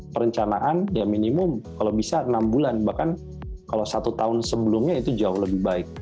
perencanaan ya minimum kalau bisa enam bulan bahkan kalau satu tahun sebelumnya itu jauh lebih baik